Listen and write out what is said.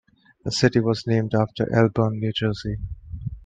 The city was named after Elberon, New Jersey.